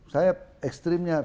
saya ekstrimnya saya katakan